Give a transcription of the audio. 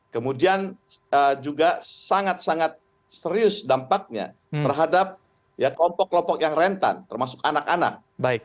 kemudian juga sangat sangat serius dampaknya terhadap kelompok kelompok yang rentan termasuk anak anak